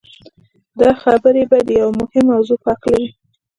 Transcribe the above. دا خبرې به د يوې مهمې موضوع په هکله وي.